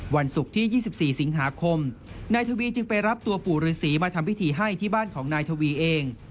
วันศุกร์ที่๒๔สิงหาคมนายทวีจึงไปรับตัวปู่ฤษีมาทำพิธีให้ที่บ้านของนายทวีเอง